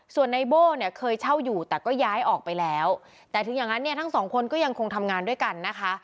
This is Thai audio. ส่วนในโบ้เนี่ยเคยเช่าอยู่แต่ก็ย้ายออกไปแล้วแต่ถึงอย่างนั้นเนี่ยทั้งสองคนก็ยังคงทำงานด้วยกันนะคะ